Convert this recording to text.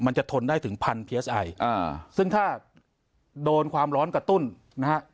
จะทนได้ถึงพันเพียสไออ่าซึ่งถ้าโดนความร้อนกระตุ้นนะฮะ